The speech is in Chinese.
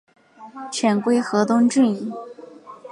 遣归河东郡。